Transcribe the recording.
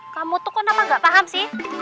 kamu tuh kenapa gak paham sih